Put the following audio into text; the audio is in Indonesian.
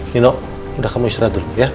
nino udah kamu istirahat dulu ya